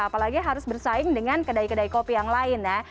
apalagi harus bersaing dengan kedai kedai kopi yang lain ya